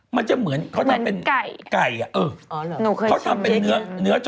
มันจะเหมือนเค้าทำเป็นไก่อะเออเค้าทำเป็นเนื้อจอละเข้มสเตน